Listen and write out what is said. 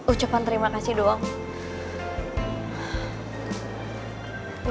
ucapan terima kasih doang